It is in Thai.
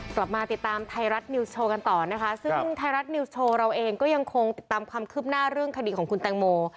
กลับมาติดตามไทยรัฐนิวส์โชว์กันต่อนะคะซึ่งไทยรัฐนิวส์โชว์เราเองก็ยังคงติดตามความคืบหน้าเรื่องคดีของคุณแตงโม